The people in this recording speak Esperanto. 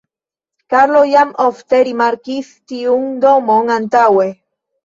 Karlo jam ofte rimarkis tiun domon antaŭe.